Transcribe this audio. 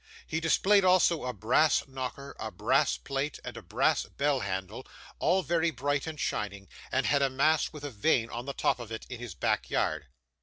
He displayed also a brass knocker, a brass plate, and a brass bell handle, all very bright and shining; and had a mast, with a vane on the top of it, in his back yard.